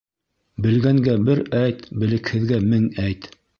Белгәнгә бер әйт, белекһеҙгә мең әйт.